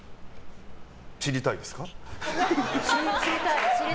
知りたいです。